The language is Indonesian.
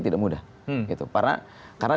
tidak mudah karena